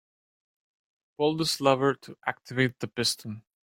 Pull this lever to activate the piston.